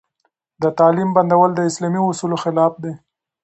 د تعليم بندول د اسلامي اصولو خلاف دي.